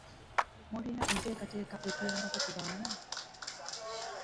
Mulina enteekateeka etuyambako ku baana?